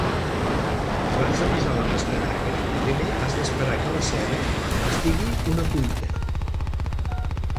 Abans de posar la pastanaga, primer has d'esperar que la ceba estigui una cuita.